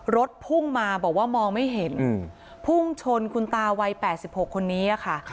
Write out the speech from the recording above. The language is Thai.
รถพุ่งมาบอกว่ามองไม่เห็นพุ่งชนคุณตาวัย๘๖คนนี้ค่ะ